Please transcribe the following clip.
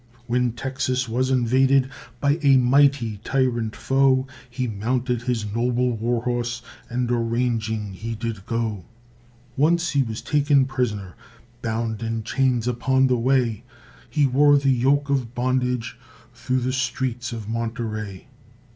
When Texas was invaded By a mighty tyrant foe, He mounted his noble war horse And a ranging he did go. Once he was taken prisoner, Bound in chains upon the way, He wore the yoke of bondage Through the streets of Monterey.